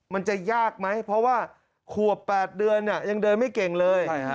มันจะยากไหมเพราะว่าขวบ๘เดือนยังเดินไม่เก่งเลย